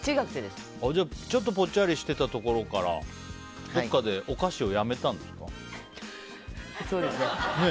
じゃあ、ちょっとぽっちゃりしてたところからお菓子をそうですね。